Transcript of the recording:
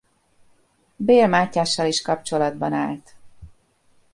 Bél Mátyással is kapcsolatban állt.